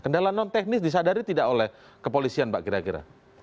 kendala non teknis disadari tidak oleh kepolisian pak kira kira